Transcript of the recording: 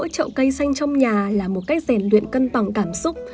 cách rèn luyện cân bằng cảm xúc